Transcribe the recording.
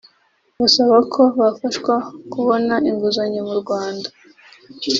basaba ko bafashwa kubona inguzanyo mu Rwanda